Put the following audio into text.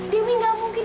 dewi gak mungkin